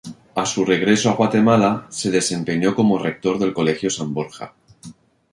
A su regreso a Guatemala, se desempeñó como rector del colegio San Borja.